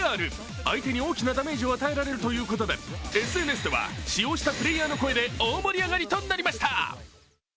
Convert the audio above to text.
相手に大きなダメージを与えられるということでＳＮＳでは使用したプレーヤーの声で大盛り上がりとなりました。